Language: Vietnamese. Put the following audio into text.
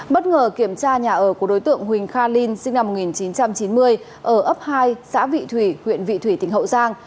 bất ngờ kiểm tra nhà ở của đối tượng huỳnh kha linh sinh năm một nghìn chín trăm chín mươi ở ấp hai xã vị thủy huyện vị thủy tỉnh hậu giang